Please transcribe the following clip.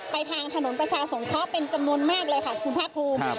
ทางถนนประชาสงเคราะห์เป็นจำนวนมากเลยค่ะคุณภาคภูมิ